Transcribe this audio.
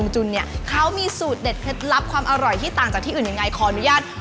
ทีนี้มาดูตรวจน้ำซุปน้อยค่ะ